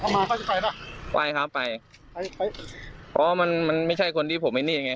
มาใครครับไปเพราะว่ามันมันไม่ใช่คนที่ผมให้เนี้ย